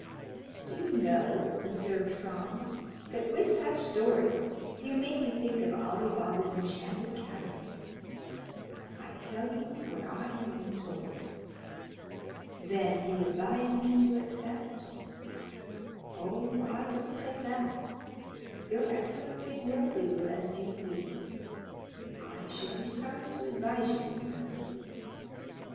"Do you know," observed Franz, "that with such stories you make me think of Ali Baba's enchanted cavern?" "I tell you what I have been told." "Then you advise me to accept?" "Oh, I don't say that; your excellency will do as you please; I should be sorry to advise you in the matter."